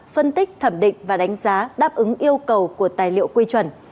phân tích thẩm định và đánh giá đáp ứng yêu cầu của tài liệu quy chuẩn